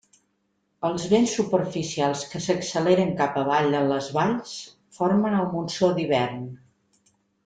Els vents superficials que s'acceleren cap avall en les valls formen el monsó d'hivern.